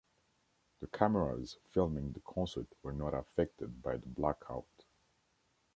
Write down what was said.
The cameras filming the concert were not affected by the blackout.